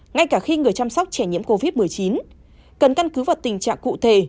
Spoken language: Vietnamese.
ngay cả khi người chăm sóc trẻ nhiễm covid một mươi chín cần căn cứ vào tình trạng cụ thể